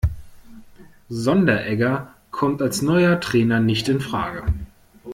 Sonderegger kommt als neuer Trainer nicht infrage.